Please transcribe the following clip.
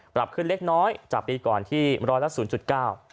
ปรับขึ้นเล็กน้อยจากปีก่อนที่๑๐๐และ๐๙